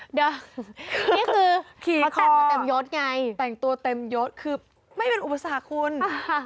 นี่คือมาแต่งตัวเต็มยศไงแต่งตัวเต็มยศคือไม่เป็นอุปสรรคคุณค่ะ